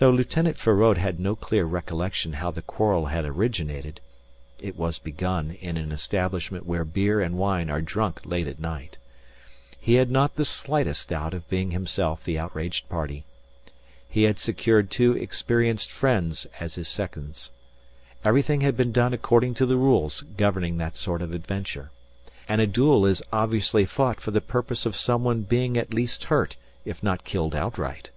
Though Lieutenant Feraud had no clear recollection how the quarrel had originated (it was begun in an establishment where beer and wine are drunk late at night), he had not the slightest doubt of being himself the outraged party. He had secured two experienced friends or his seconds. Everything had been done according to the rules governing that sort of adventure. And a duel is obviously fought for the purpose of someone being at least hurt if not killed outright.